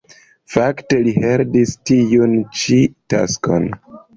Fakte li heredis tiun ĉi taskon.